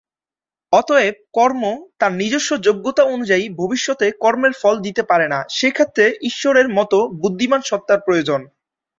অতএব, কর্ম তার নিজস্ব যোগ্যতা অনুযায়ী ভবিষ্যতে কর্মের ফল দিতে পারে না, সেক্ষেত্রে ঈশ্বরের মত বুদ্ধিমান সত্তার প্রয়োজন।